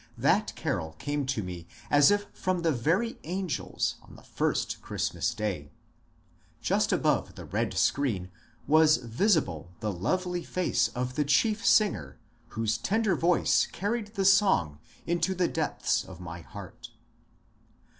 '' That carol came to me as if from the very angels on the first Christmas day. Just above the red screen was visible the lovely face of the chief singer, whose tender voice carried the song into the depths of my heart.